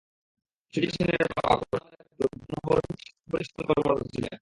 সুচিত্রা সেনের বাবা করুণাময় দাশগুপ্ত পাবনা পৌরসভার স্বাস্থ্য পরিদর্শক পদে কর্মরত ছিলেন।